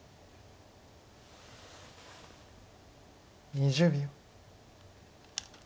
２０秒。